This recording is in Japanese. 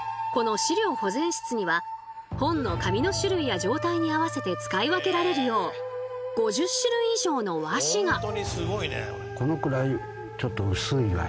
この資料保全室には本の紙の種類や状態に合わせて使い分けられるよう５０種類以上の和紙が。